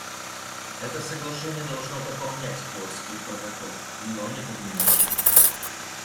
Это соглашение должно дополнять Киотский протокол, но не подменять его.